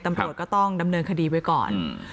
ตำรวจก็ต้องดำเนินคดีไว้ก่อน